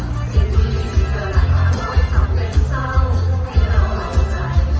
ที่ดีจะหลังมาโดยสักเวลเศร้าให้เราเข้าใจ